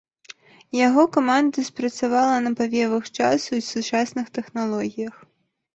Яго каманда спрацавала на павевах часу і сучасных тэхналогіях.